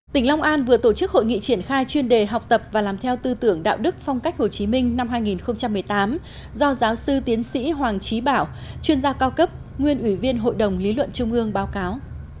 tỉnh long an vừa tổ chức hội nghị triển khai chuyên đề học tập và làm theo tư tưởng đạo đức phong cách hồ chí minh năm hai nghìn một mươi tám do giáo sư tiến sĩ hoàng trí bảo chuyên gia cao cấp nguyên ủy viên hội đồng lý luận trung ương báo cáo